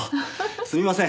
すみません